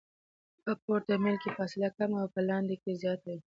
په پورته میل کې فاصله کمه او په لاندې کې زیاته وي